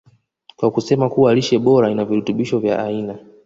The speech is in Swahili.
kwa kusema kuwa lishe bora ina virutubisho vya aina